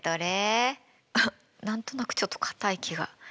あっ何となくちょっとかたい気が。